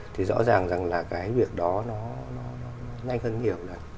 thì rõ ràng rằng là cái việc đó nó nhanh hơn nhiều lần